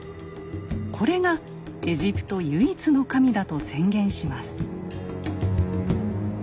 これがエジプト唯一の神だと宣言します。